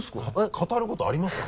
語ることありますか？